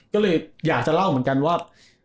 ก็เลยอยากจะเล่าเหมือนกันว่า